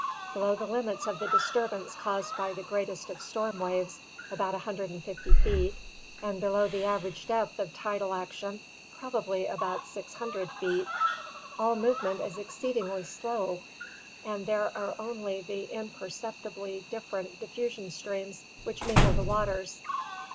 Below the limits of disturbance caused by the greatest of storm waves, about 150 feet, and below the average depth of tidal action, probably about 600 feet, all movement is exceedingly slowy and there are only the imperceptibly deliberate diffusion streams which mingle the waters.